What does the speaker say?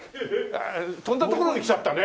とんだ所に来ちゃったね。